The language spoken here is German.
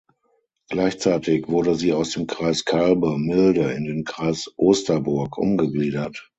Gleichzeitig wurde sie aus dem Kreis Kalbe (Milde) in den Kreis Osterburg umgegliedert.